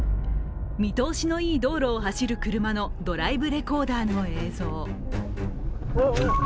見通しのいい道路を走る車のドライブレコーダーの映像。